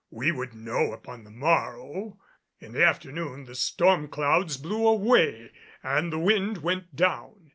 We would know upon the morrow. In the afternoon the storm clouds blew away and the wind went down.